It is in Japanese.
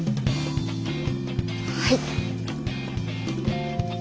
はい。